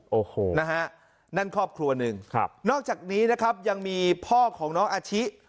โอ้โหนะฮะนั่นครอบครัวหนึ่งครับนอกจากนี้นะครับยังมีพ่อของน้องอาชิ